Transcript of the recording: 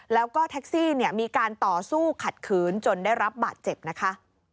แล้วก็แท็กซี่เนี่ยมีการต่อสู้ขัดขืนจนได้รับบาดเจ็บนะคะ